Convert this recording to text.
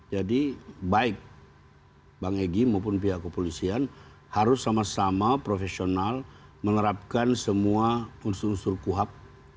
jadi baik bang egy maupun pihak kepolisian harus sama sama profesional menerapkan semua unsur unsur kuhab